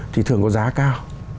thì thường có giá cao